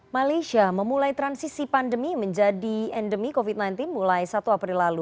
malaysia memulai transisi pandemi menjadi endemi covid sembilan belas mulai satu april lalu